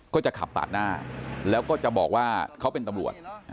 ก็จะขับปาดหน้าแล้วก็จะบอกว่าเขาเป็นตำรวจ